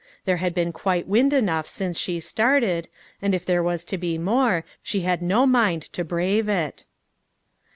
There had been quite wind enough since she started, and if there was to be more, she had no mind to brave it.